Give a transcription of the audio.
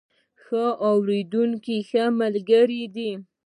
ښه اورېدونکي ښه ملګري دي.